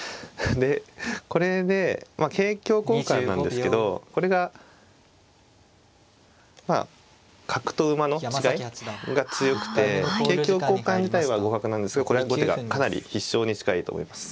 でこれで桂香交換なんですけどこれが角と馬の違いが強くて桂香交換自体は互角なんですがこれは後手がかなり必勝に近いと思います。